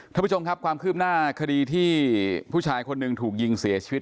ท่านผู้ชมครับความคืบหน้าคดีที่ผู้ชายคนหนึ่งถูกยิงเสียชีวิต